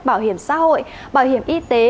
bảo hiểm xã hội bảo hiểm y tế